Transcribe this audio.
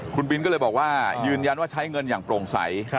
คุณบินก็เลยบอกว่ายืนยันว่าใช้เงินอย่างโปร่งใส